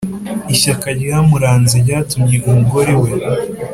Ishyaka ryamuranze ryatumye umugore we